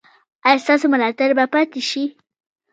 ایا ستاسو ملاتړ به پاتې شي؟